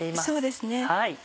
そうですね。